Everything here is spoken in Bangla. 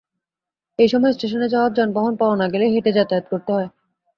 এ সময় স্টেশনে যাওয়ার যানবাহন পাওয়া না গেলে হেঁটে যাতায়াত করতে হয়।